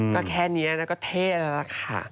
ก็แค่นี้ก็เท่แล้วค่ะ